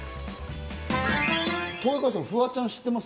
豊川さん、フワちゃん知ってます？